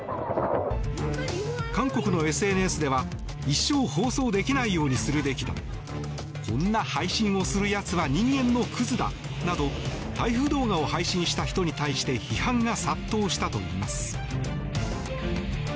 韓国のＳＮＳでは一生放送できないようにするべきだこんな配信をするやつは人間のくずだなど台風動画を配信した人に対して批判が殺到したといいます。